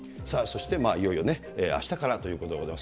そしていよいよね、あしたからということでございます。